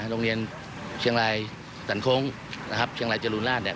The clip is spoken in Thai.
โรงเรียนเชียงรายสันโค้งนะครับเชียงรายจรูนราชเนี่ย